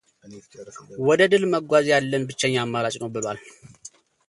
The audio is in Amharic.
ወድ ድል መጓዝ ያለን ብቸኛ አማራጭ ነው ብሏል።